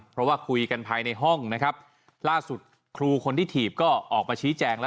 เพราะว่าคุยกันภายในห้องนะครับล่าสุดครูคนที่ถีบก็ออกมาชี้แจงแล้ว